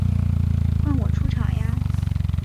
换我出场呀！